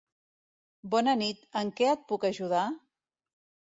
Bona nit, en què et puc ajudar?